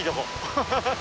ハハハハッ。